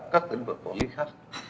các lĩnh vực phổ biến khác